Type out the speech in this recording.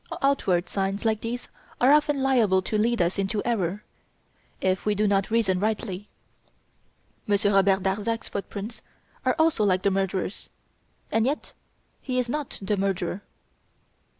Outward signs like these are often liable to lead us into error, if we do not reason rightly. Monsieur Robert Darzac's footprints are also like the murderer's, and yet he is not the murderer!"